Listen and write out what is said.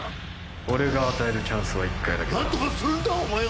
俺が与えるチャンスは１回だけだ何とかするんだお前が！